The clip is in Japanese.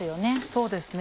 そうですね。